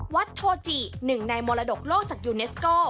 โทจิหนึ่งในมรดกโลกจากยูเนสโก